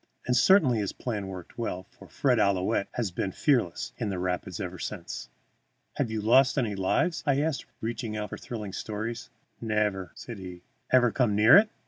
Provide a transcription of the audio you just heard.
And certainly his plan worked well, for Fred Ouillette has been fearless in the rapids ever since. "Have you lost any lives?" I asked, reaching out for thrilling stories. "Nevair," said he. "Ever come near it?"